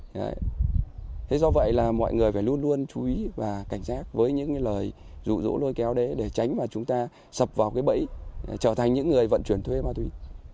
thế do vậy là mọi người phải luôn luôn chú ý và cảnh giác với những cái lời rủ rỗ lôi kéo đấy để tránh mà chúng ta sập vào cái bẫy trở thành những người vận chuyển thuê ma túy